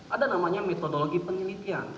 ada namanya metodologi penelitian